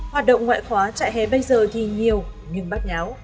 hoạt động ngoại khóa chạy hè bây giờ thì nhiều nhưng bắt nháo